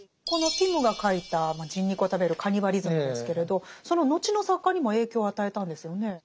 このピムが書いた人肉を食べるカニバリズムですけれどその後の作家にも影響を与えたんですよね？